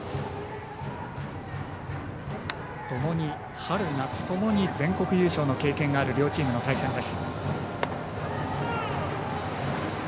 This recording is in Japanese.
春夏ともに全国優勝の経験がある両チームの対戦です。